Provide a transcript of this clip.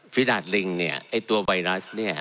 ดาดลิงเนี่ยไอ้ตัวไวรัสเนี่ย